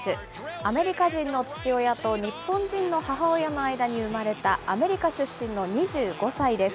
アメリカ人の父親と日本人の母親の間に生まれた、アメリカ出身の２５歳です。